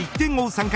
３回。